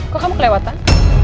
kok kamu kelewatan